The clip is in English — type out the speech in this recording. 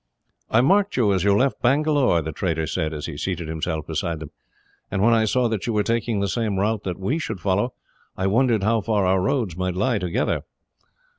"I marked you as you left Bangalore," the trader said, as he seated himself beside them, "and when I saw that you were taking the same route that we should follow, I wondered how far our roads might lie together."